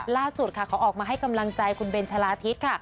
ล่าสุดค่ะเขาออกมาให้กำลังใจคุณเบนชะลาทิศค่ะ